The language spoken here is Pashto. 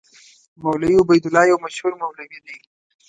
مولوي عبیدالله یو مشهور مولوي دی.